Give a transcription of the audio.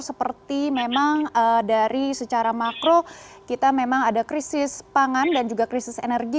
seperti memang dari secara makro kita memang ada krisis pangan dan juga krisis energi